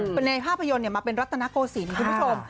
เป็นในภาพยนตร์มาเป็นรัตนโกศิลป์คุณผู้ชม